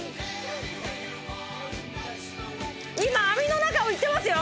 今網の中を行ってますよ！